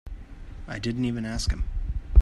I didn't even ask him.